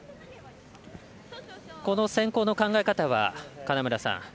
この先攻の考え方は、金村さん